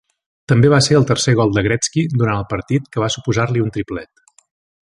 També va ser el tercer gol de Gretzky durant el partit, que va suposar-li un triplet.